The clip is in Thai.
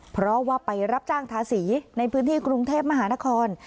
เพราะว่าไปรับจ้างทาสีในพื้นที่กรุงเทพมหานคร